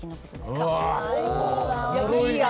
かわいいわ。